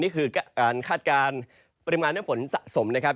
นี่คือการคาดการณ์ปริมาณน้ำฝนสะสมนะครับ